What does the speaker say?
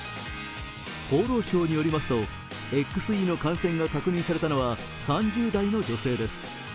厚労省によりますとＸＥの感染が確認されたのは３０代の女性です。